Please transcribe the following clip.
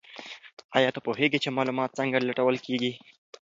ایا ته پوهېږې چې معلومات څنګه لټول کیږي؟